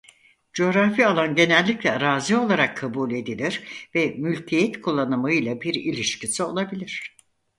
Coğrafi alan genellikle arazi olarak kabul edilir ve mülkiyet kullanımıyla bir ilişkisi olabilir.